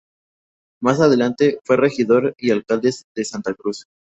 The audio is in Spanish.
Más adelante, fue regidor y alcalde de Santa Cruz.